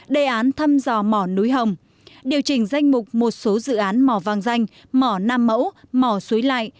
hai ba bốn đề án thăm dò mỏ núi hồng điều chỉnh danh mục một số dự án mỏ vàng danh mỏ nam mẫu mỏ suối lại